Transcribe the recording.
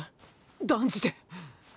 断じて！